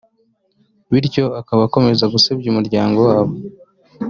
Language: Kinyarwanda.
bityo akaba akomeza gusebya umuryango wabo